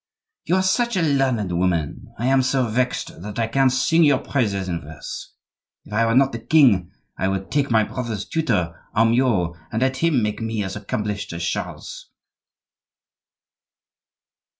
"You are such a learned woman! I am so vexed that I can't sing your praises in verse. If I were not the king, I would take my brother's tutor, Amyot, and let him make me as accomplished as Charles."